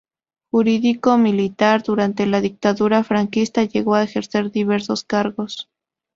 Jurídico militar, durante la Dictadura franquista llegó a ejercer diversos cargos.